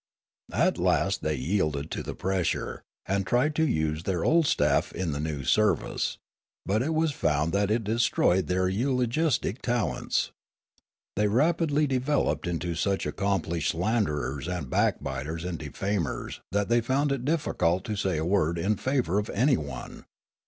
At last they yielded to the pressure, and tried to use their old staff in the new service ; but it was found that it destroyed their eulogistic talents ; they rapidly developed into such accomplished slanderers and backbiters and defamers that they found it difficult to say a word in favour of anyone.